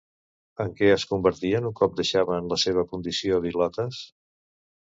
En què es convertien un cop deixaven la seva condició d'ilotes?